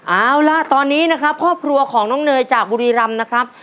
เอาล่ะตอนนี้นะครับครอบครัวของน้องเนยจากบุรีรำนะครับ